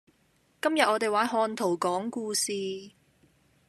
今日我哋玩看圖講故事